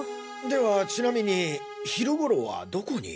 ではちなみに昼頃はどこに？